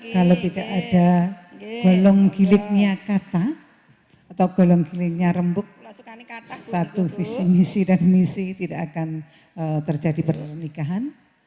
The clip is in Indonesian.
kalau tidak ada golong giliknya kata atau golong giliknya rembuk satu visi misi dan misi tidak akan terjadi pernikahan